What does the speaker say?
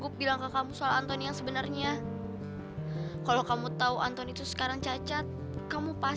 tidak ada yang bisa mencari teman lain